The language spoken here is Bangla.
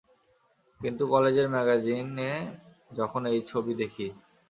কিন্তু, কলেজের ম্যাগাজিনে যখন এই ছবি দেখি।